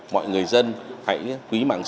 mọi người dân hãy quý mạng sách